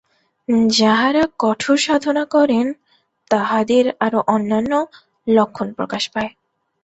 যাঁহারা কঠোর সাধনা করেন, তাঁহাদের আরও অন্যান্য লক্ষণ প্রকাশ পায়।